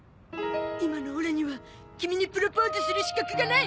今のオラにはキミにプロポーズする資格がない。